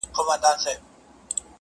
په تورونو کي دي بند کړل زموږ سرونه -